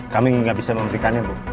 kami nggak bisa memberikannya bu